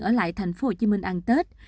ở lại thành phố hồ chí minh ăn tết